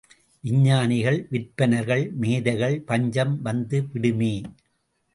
விஞ்ஞானிகள், விற்பன்னர்கள், மேதைகள் பஞ்சம் வந்துவிடுமே.